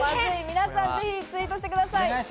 皆さんぜひツイートしてください。